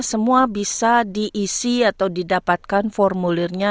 semua bisa diisi atau didapatkan formulirnya